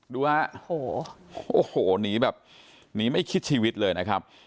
ดูฮะโอ้โหหนีแบบหนีไม่คิดชีวิตเลยนะครับ